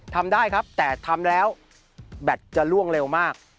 ทำได้ครับแต่ทำแล้วแบตจะล่วงเร็วมาก